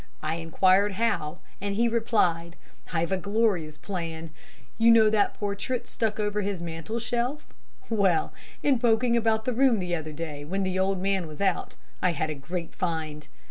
I enquired how, and he replied: "I've a glorious plan. You know that portrait stuck over his mantel shelf? Well! In poking about the room the other day, when the old man was out, I had a great find.